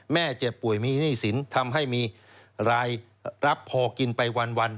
เจ็บป่วยมีหนี้สินทำให้มีรายรับพอกินไปวัน